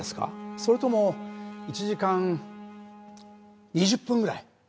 それとも１時間２０分ぐらい？